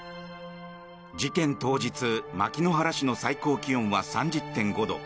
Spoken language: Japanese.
事件当日、牧之原市の最高気温は３０．５度。